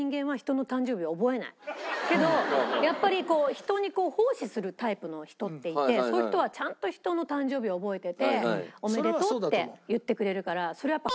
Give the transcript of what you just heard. けどやっぱり人に奉仕するタイプの人っていてそういう人はちゃんと人の誕生日を覚えてておめでとうって言ってくれるからそれはやっぱ。